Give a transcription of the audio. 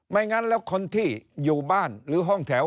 งั้นแล้วคนที่อยู่บ้านหรือห้องแถว